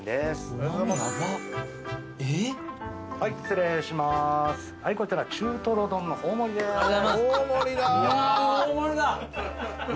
うわっ大盛りだ。